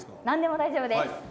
何でも大丈夫です。